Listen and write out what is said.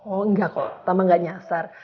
oh enggak kok tama gak nyasar